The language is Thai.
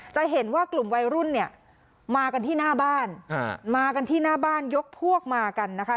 จะเห็นว่ากลุ่มวัยรุ่นเนี่ยมากันที่หน้าบ้านมากันที่หน้าบ้านยกพวกมากันนะคะ